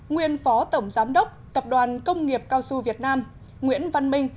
nguyên phó tổng giám đốc tập đoàn công nghiệp cao su việt nam nguyễn văn minh